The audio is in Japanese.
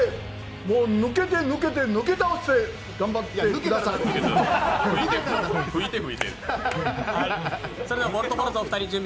もう抜けて抜けて抜け倒して頑張って抜けたら駄目。